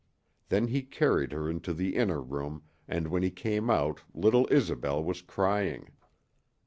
Then he carried her into the inner room; and when he came out little Isobel was crying.